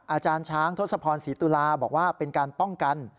อาจารย์ช้างทศพรศรีตุลาบอกว่าเป็นการป้องกัน